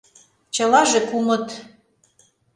Чылаже кумыт.